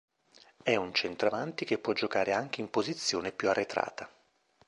È un centravanti che può giocare anche in posizione più arretrata.